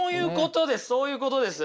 そういうことです。